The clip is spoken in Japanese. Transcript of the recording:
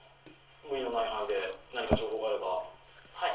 無理のない範囲で何か情報があれば。